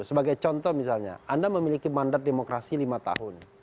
sebagai contoh misalnya anda memiliki mandat demokrasi lima tahun